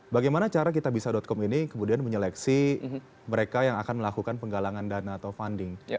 bagaimana cara kitabisa com ini kemudian menyeleksi mereka yang akan melakukan penggalangan dana atau funding